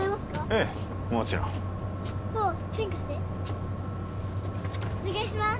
ええもちろんママペン貸してお願いします